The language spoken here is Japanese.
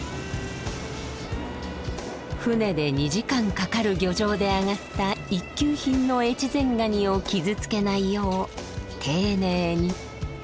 船で２時間かかる漁場であがった一級品の越前ガニを傷つけないよう丁寧に。